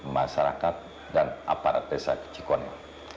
masyarakat dan aparat desa kecikone